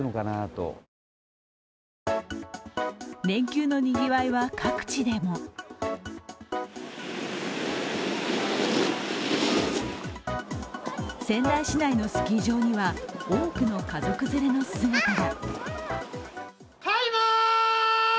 連休のにぎわいは各地でも仙台市内のスキー場には、多くの家族連れの姿が。